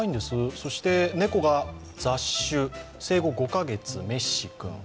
そして猫が雑種、生後５カ月、メッシ君。